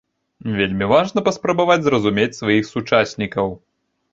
Вельмі важна паспрабаваць зразумець сваіх сучаснікаў.